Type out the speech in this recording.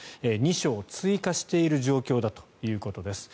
２床追加している状況だということです。